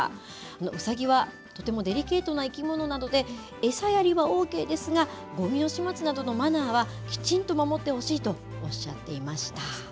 うさぎはとてもデリケートな生き物なので、餌やりはＯＫですが、ごみの始末などのマナーはきちんと守ってほしいとおっしゃっていました。